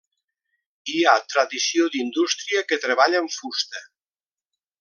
Hi ha tradició d'indústria que treballa amb fusta.